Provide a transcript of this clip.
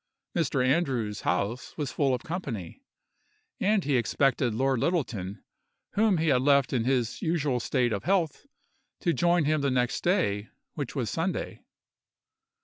Mr. Andrews' house was full of company, and he expected Lord Littleton, whom he had left in his usual state of health, to join him the next day, which was Sunday.